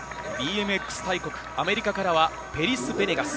ＢＭＸ大国、アメリカからはペリス・ベネガス。